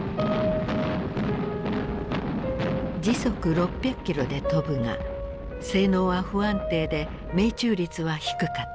時速６００キロで飛ぶが性能は不安定で命中率は低かった。